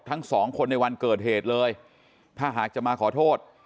ทั้งสองคนในวันเกิดเหตุเลยถ้าหากจะมาขอโทษ